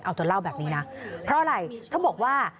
เอาเธอเล่าแบบนี้นะเพราะอะไรเธอบอกว่า